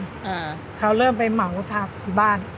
อ่าเขาเริ่มไปเหมาแล้วพาไปบ้าน